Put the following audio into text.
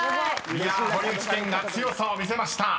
［堀内健が強さを見せました］